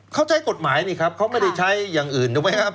เขาใช้กฎหมายนี่ครับเขาไม่ได้ใช้อย่างอื่นถูกไหมครับ